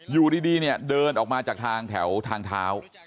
อยู่ดีเดินออกมาจากแถวทางเท้า